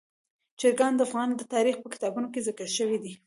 چرګان د افغان تاریخ په کتابونو کې ذکر شوي دي.